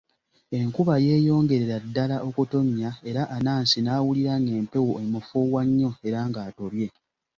Enkuba yeeyongerera ddala okutonnya era Anansi n'awulira ng'empewo emufuuwa nnyo era ng'atobye.